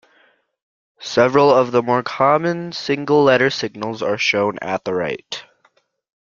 Several of the more common single-letter signals are shown at the right.